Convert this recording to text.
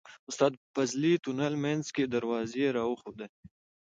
استاد فضلي تونل منځ کې دروازې راوښودلې.